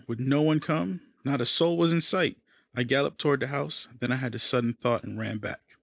Would no one come? Not a soul was in sight. I galloped toward the house, then I had a sudden thought, and ran back.